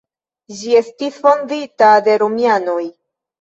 Ĝi estis fondita de romianoj.